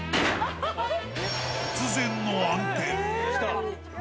突然の暗転。